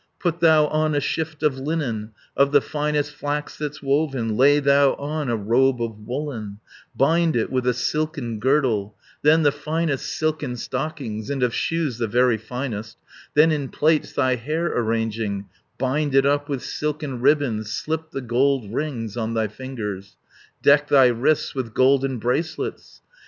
170 Put thou on a shift of linen, Of the finest flax that's woven, Lay thou on a robe of woollen, Bind it with a silken girdle, Then the finest silken stockings, And of shoes the very finest, Then In plaits thy hair arranging, Bind it up with silken ribands, Slip the gold rings on thy fingers, Deck thy wrists with golden bracelets.